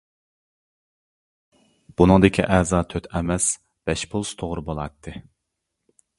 بۇنىڭدىكى «ئەزا» «تۆت» ئەمەس، «بەش» بولسا توغرا بولاتتى.